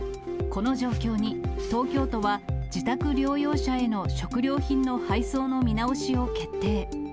この状況に、東京都は自宅療養者への食料品の配送の見直しを決定。